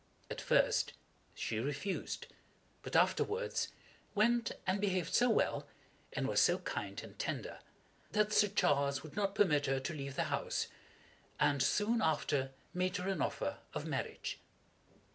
At first she refused, but afterwards went and behaved so well, and was so kind and tender, that Sir Charles would not permit her to leave the house, and soon after made her an offer of marriage.